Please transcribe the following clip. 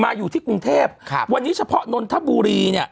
อยู่ที่กรุงเทพครับวันนี้เฉพาะนนทบุรีเนี่ย